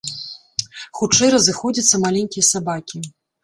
Хутчэй разыходзяцца маленькія сабакі.